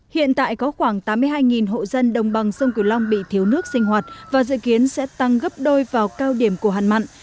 hiện tại có khoảng tám mươi hai hộ dân đồng bằng sông cửu long bị thiếu nước sinh hoạt và dự kiến sẽ tăng gấp đôi vào cao điểm của hạn mặn